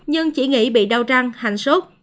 nhưng chỉ nghĩ bị đau răng hành sốt